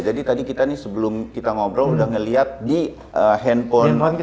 jadi tadi kita nih sebelum kita ngobrol udah ngeliat di handphone